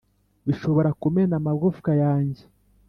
bishobora kumena amagufwa yanjye